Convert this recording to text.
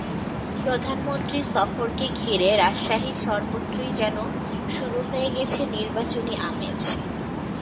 প্রধানমন্ত্রীর সফরকে ঘিরে রাজশাহীর সর্বত্রই যেন শুরু হয়ে গেছে নির্বাচনী আমেজ।